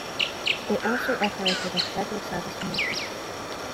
It also operated a scheduled service to Malta.